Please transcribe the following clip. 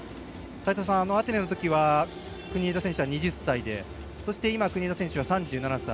アテネのときは国枝選手は２０歳でそして今、国枝選手は３７歳。